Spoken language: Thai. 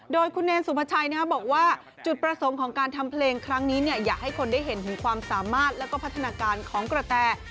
โดยคุณเนรสุภาชัยบอกว่าจุดประสงค์ของการทำเพลงครั้งนี้อยากให้คนได้เห็นถึงความสามารถแล้วก็พัฒนาการของกระแต